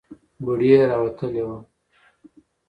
بړۍ یې راوتلې ده.